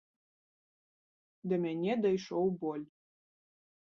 Да мяне дайшоў боль.